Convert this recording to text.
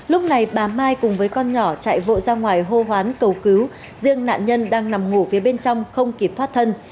lúc này bà mai cùng với con nhỏ chạy vội ra ngoài hô hoán cầu cứu riêng nạn nhân đang nằm ngủ phía bên trong không kịp thoát thân